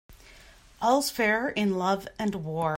All's fair in love and war.